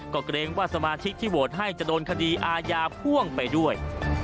ก็เกรงว่าสมาชิกที่โหวตให้จะโดนคดีอาญาพ่วงไปด้วย